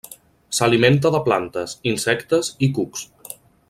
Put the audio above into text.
S'alimenta de plantes, insectes i cucs.